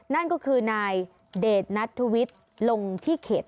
นั่นก็คือนายเดชนัทธวิทย์ลงที่เขต